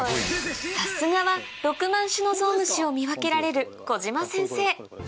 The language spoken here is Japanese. さすがは６万種のゾウムシを見分けられる小島先生